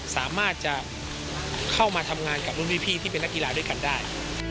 สามารถจะเข้ามาทำงานกับรุ่นพี่ที่เป็นนักกีฬาด้วยกันได้